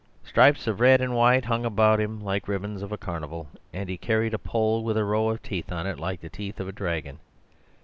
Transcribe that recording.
"Strips of red and white hung about him like ribbons of a carnival, and he carried a pole with a row of teeth on it like the teeth of a dragon.